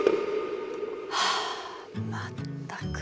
はあまったく。